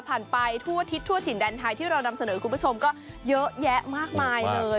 ไปทั่วทิศทั่วถิ่นแดนไทยที่เรานำเสนอคุณผู้ชมก็เยอะแยะมากมายเลย